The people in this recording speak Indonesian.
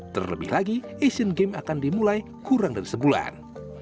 terlebih lagi asian games akan dimulai kurang dari sebulan